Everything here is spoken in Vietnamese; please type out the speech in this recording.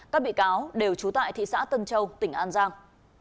các bị cáo đều trú tại thị xã tân châu tỉnh an giang